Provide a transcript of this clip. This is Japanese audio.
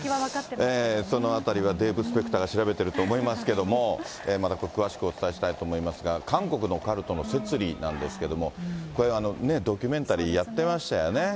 そのあたりはデーブ・スペクターが調べてると思いますけれども、また詳しくお伝えしたいと思いますが、韓国のカルトの摂理なんですけども、ドキュメンタリー、やってましたよね。